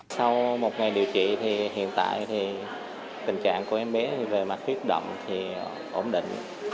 sau một ngày điều trị thì hiện tại thì tình trạng của em bé về mặt huyết động thì ổn định